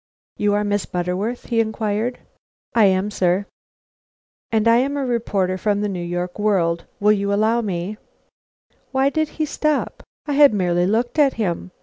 "You are Miss Butterworth?" he inquired. "I am, sir." "And I am a reporter from the New York World. Will you allow me " Why did he stop? I had merely looked at him.